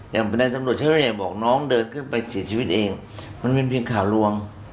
ในตำรวจเชอรี่บอกน้องเดินขึ้นไปเสียชีวิตเองมันเป็นเพียงข่าวลวง